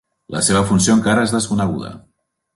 La seva funció encara és desconeguda.